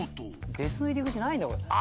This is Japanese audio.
別の入り口ないんだ？